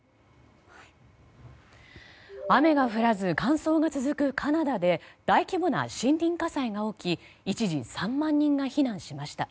雨が降らず乾燥が続くカナダで大規模な森林火災が起き一時、３万人が避難しました。